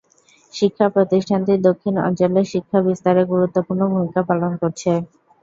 শিক্ষা প্রতিষ্ঠানটি দক্ষিণ অঞ্চলের শিক্ষা বিস্তারে গুরুত্বপূর্ণ ভূমিকা পালন করছে।